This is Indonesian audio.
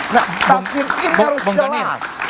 nah tafsir ini harus jelas